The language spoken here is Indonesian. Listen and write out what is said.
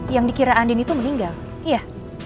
yang dikira andin itu meninggal iya